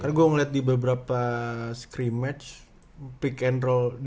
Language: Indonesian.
karena gua ngeliat di beberapa scrim match pick and roll